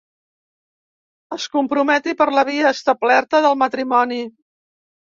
Es comprometi per la via establerta del matrimoni.